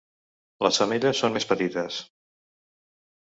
Les femelles són més petites.